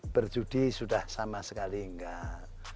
berjudi sudah sama sekali enggak